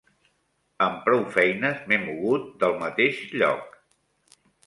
Amb prou feines m'he mogut del mateix lloc